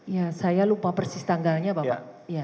ya saya lupa persis tanggalnya bapak